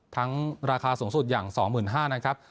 ราคาสูงสุดอย่าง๒๕๐๐นะครับ